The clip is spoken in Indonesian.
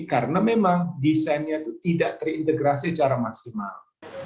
karena memang desainnya itu tidak terintegrasi secara maksimal